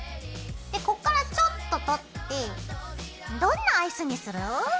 でここからちょっと取ってどんなアイスにする？